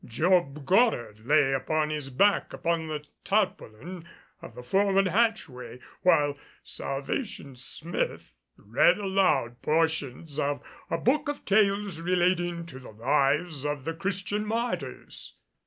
Job Goddard lay upon his back upon the tarpaulin of the forward hatchway, while Salvation Smith read aloud portions of a book of tales relating to the lives of the Christian martyrs.